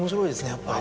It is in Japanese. やっぱり。